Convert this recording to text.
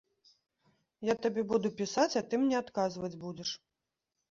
Я табе буду пісаць, а ты мне адказваць будзеш.